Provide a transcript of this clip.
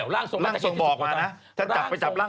ร่างทรงบอกมานะ